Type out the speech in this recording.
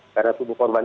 karena tubuh korban